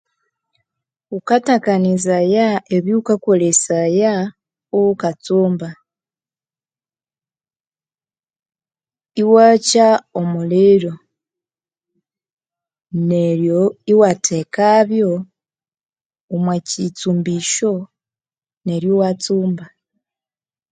Wukatakanizaya ebya wukakolesaya iwuka tsumba, iwakya omuliro neryo iwathekabyo omwa kyitsumbisyo neryo iwatsumba.